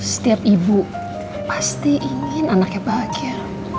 setiap ibu pasti ingin anaknya bahagia